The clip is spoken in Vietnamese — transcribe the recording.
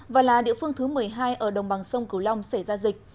và là địa phương thứ một mươi hai ở đồng bằng sông cửu long xảy ra dịch